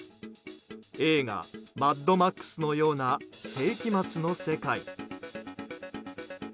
映画「マッドマックス」のような世紀末の世界。